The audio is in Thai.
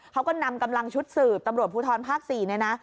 เขาก็นำกำลังชุดสืบตำรวจภูทรภาค๔เนี่ยนะ